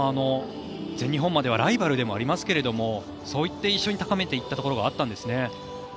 全日本まではライバルでもありますがそういって一緒に高めていったところがあるんですね。